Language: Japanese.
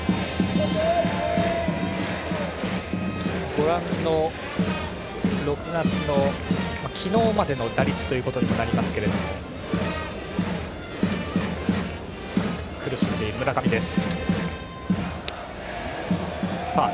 ご覧の、６月の昨日までの打率となりますが苦しんでいる村上です。